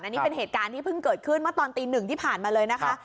อันนี้เป็นเหตุการณ์ที่เพิ่งเกิดขึ้นเมื่อตอนตีหนึ่งที่ผ่านมาเลยนะคะ